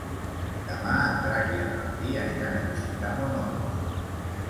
Demà en Drac i en Martí aniran a visitar mon oncle.